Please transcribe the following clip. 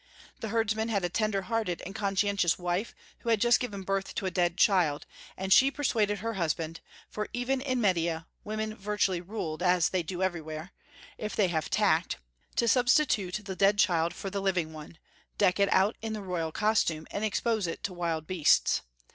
The herdsman had a tender hearted and conscientious wife who had just given birth to a dead child, and she persuaded her husband for even in Media women virtually ruled, as they do everywhere, if they have tact to substitute the dead child for the living one, deck it out in the royal costume, and expose it to wild beasts.